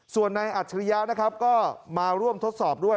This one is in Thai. ส่วนในอัจฉริยะนะครับก็มาร่วมทดสอบด้วย